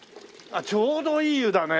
ちょうどいい湯だね。